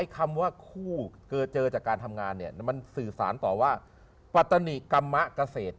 คำว่าคู่เจอเจอจากการทำงานเนี่ยมันสื่อสารต่อว่าปัตนิกรรมเกษตร